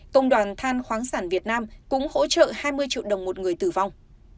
công đoàn than khoáng sản việt nam cũng hỗ trợ hai mươi triệu đồng một người tử vong